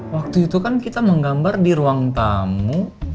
waktu itu kan kita menggambar di ruang tamu